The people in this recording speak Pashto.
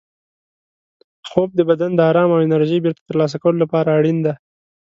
خوب د بدن د ارام او انرژۍ بېرته ترلاسه کولو لپاره اړین دی.